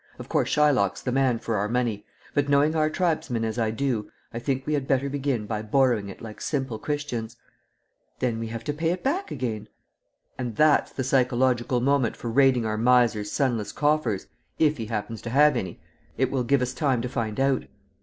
Of course Shylock's the man for our money; but knowing our tribesmen as I do, I think we had better begin by borrowing it like simple Christians." "Then we have it to pay back again." "And that's the psychological moment for raiding our 'miser's sunless coffers' if he happens to have any. It will give us time to find out."